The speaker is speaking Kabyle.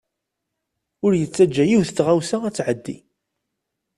Ur yettaǧa yiwet n tɣawsa ad t-tɛeddi.